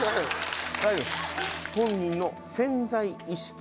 本人の潜在意識